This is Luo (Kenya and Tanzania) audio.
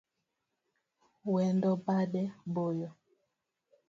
Wendo bade boyo